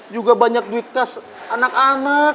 juga banyak duit khas anak anak